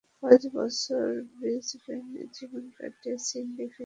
পাঁচ বছর ব্রিজবেনে জীবন কাটিয়ে সিডনি ফিরে এসে ক্যারলের সঙ্গে শুধু একবার দেখা।